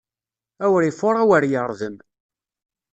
Awer ifuṛ, awer yeṛdem.